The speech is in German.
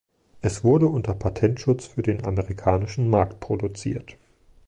Es wurde unter Patentschutz für den amerikanischen Markt produziert.